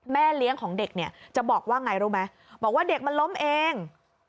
แม่เลี้ยงของเด็กเนี่ยจะบอกว่าไงรู้ไหมบอกว่าเด็กมันล้มเอง